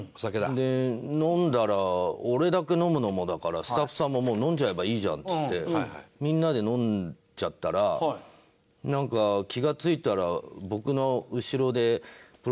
で飲んだら俺だけ飲むのもだから「スタッフさんももう飲んじゃえばいいじゃん」っつってみんなで飲んじゃったらなんか気が付いたら。